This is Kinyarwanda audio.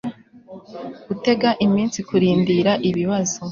gutega iminsi kurindira ibibazo